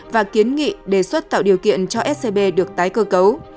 và kiến nghị đề xuất tạo điều kiện cho scb được tái cơ cấu